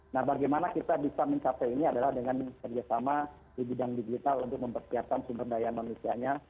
nah bagaimana kita bisa mencapai ini adalah dengan kerjasama di bidang digital untuk mempersiapkan sumber daya manusianya